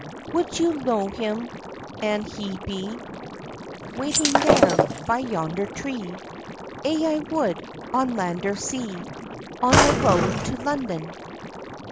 "Would you know him, an' he be Waiting there, by yonder tree?" "Aye would I, on land or sea, Or the road, to London!"